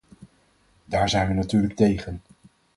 Daar zijn we natuurlijk tegen.